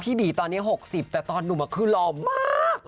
บีตอนนี้๖๐แต่ตอนหนุ่มคือหล่อมาก